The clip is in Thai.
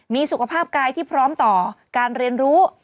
มีสุขภาพกายที่พร้อมต่อการเรียนรู้